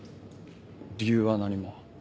理由は何も。